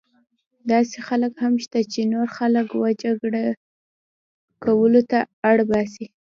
داسې خلک هم شته چې نور خلک وه جګړې کولو ته اړ باسي.